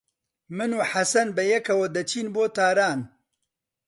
من و حەسەن بەیەکەوە دەچین بۆ تاران.